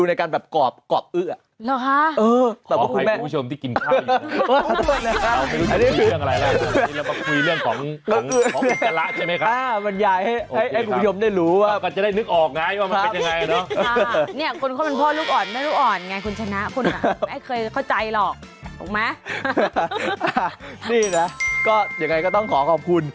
นี่นะก็ยังไงก็ต้องขอขอบคุณ